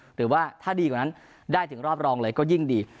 หรือว่าถ้าดีกว่านั้นได้ถึงรอบรองเลยก็ยิ่งดี